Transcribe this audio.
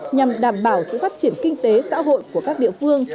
nhằm đảm bảo sự phát triển kinh tế xã hội của các địa phương